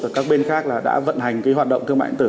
các bên khác đã vận hành hoạt động thương mại điện tử